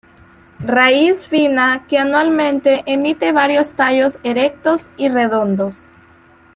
Raíz fina que anualmente emite varios tallos erectos y redondos.